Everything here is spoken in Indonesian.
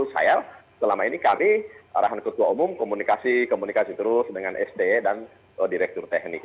saya selama ini kami arahan ketua umum komunikasi komunikasi terus dengan sde dan direktur teknik